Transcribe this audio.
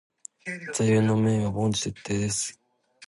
座右の銘は凡事徹底です。